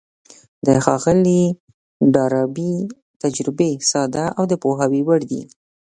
د ښاغلي ډاربي تجربې ساده او د پوهاوي وړ دي.